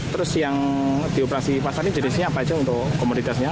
terus yang di operasi pasar ini jenisnya apa aja untuk komoditasnya